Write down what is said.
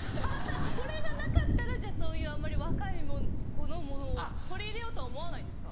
これがなかったらじゃあそういう若い子のものを取り入れようとは思わないんですか？